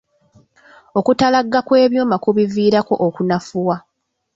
Okutalagga kw'ebyuma kubiviirako okunafuwa.